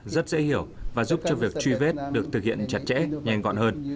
rất dễ hiểu và giúp cho việc truy vết được thực hiện chặt chẽ nhanh gọn hơn